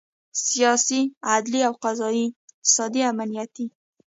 سیاسي، عدلي او قضایي، اقتصادي، امنیتي